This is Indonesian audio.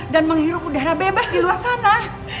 dan menghirup udara bebas di luar sana